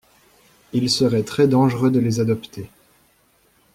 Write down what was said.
Il serait très dangereux de les adopter.